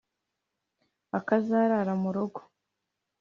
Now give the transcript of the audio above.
akazarara mu rugo.